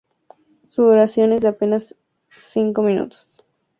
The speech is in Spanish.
Su duración es de apenas cinco minutos.